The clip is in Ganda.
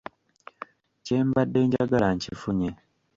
Kye mbadde njagala nkifunye.